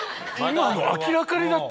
明らかにだって。